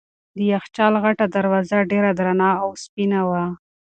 د یخچال غټه دروازه ډېره درنه او سپینه وه.